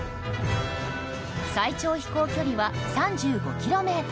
最長飛行距離は３５ｋｍ。